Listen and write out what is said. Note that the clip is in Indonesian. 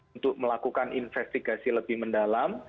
untuk melakukan investigasi lebih mendalam